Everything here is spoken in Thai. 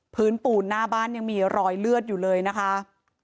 ปูนหน้าบ้านยังมีรอยเลือดอยู่เลยนะคะ